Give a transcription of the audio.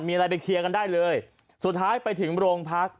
มีอะไรไปเคลียร์กันได้เลยสุดท้ายไปถึงโรงพัก